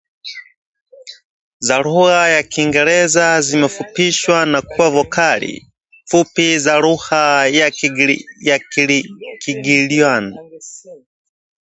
za lugha ya Kiingereza zimefupishwa na kuwa vokali fupi za lugha ya Kigiryama